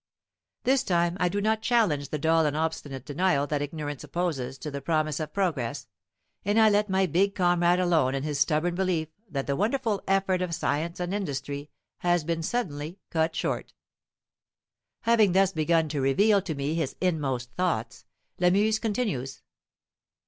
This time I do not challenge the dull and obstinate denial that ignorance opposes to the promise of progress, and I let my big comrade alone in his stubborn belief that the wonderful effort of science and industry has been suddenly cut short. Having thus begun to reveal to me his inmost thoughts, Lamuse continues.